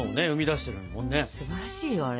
すばらしいよあれ。